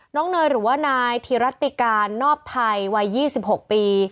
เนยหรือว่านายธิรัติการนอบไทยวัย๒๖ปี